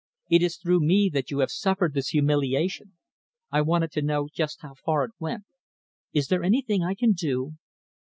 It is through me that you have suffered this humiliation. I wanted to know just how far it went. Is there anything I can do?"